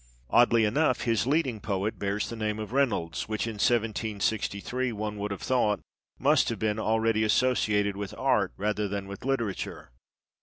Oddly enough, his leading poet bears the name of Reynolds, which in 1763 (one would have thought) must have been already associated with art rather than with literature.